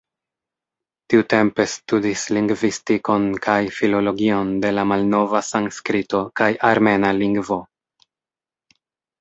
Tiutempe studis lingvistikon kaj filologion de la malnova sanskrito kaj armena lingvo.